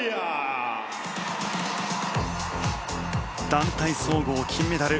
団体総合金メダル